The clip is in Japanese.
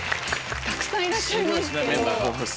たくさんいらっしゃいます。